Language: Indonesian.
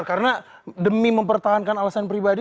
karena demi mempertahankan alasan pribadi